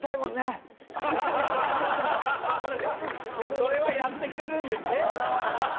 それはやってくれるんですね。